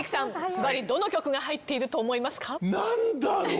ずばりどの曲が入っていると思いますか？